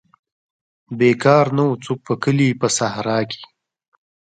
بیکار نه وو څوک په کلي په صحرا کې.